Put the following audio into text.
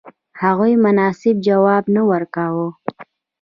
هغوی مناسب ځواب نه ورکاوه.